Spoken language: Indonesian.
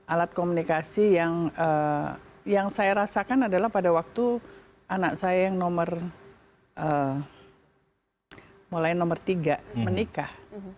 alat komunikasi yang saya rasakan adalah pada waktu anak saya yang nomor mulai nomor tiga menikah